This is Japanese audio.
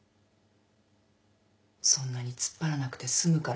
そんなに突っ張らなくて済むから。